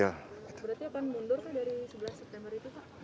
berarti akan mundur dari sebelas september itu